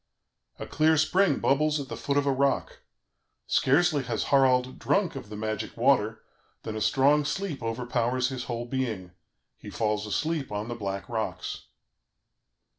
"A clear spring bubbles at the foot of a rock; scarcely has Harald drunk of the magic water than a strong sleep overpowers his whole being; he falls asleep on the black rocks.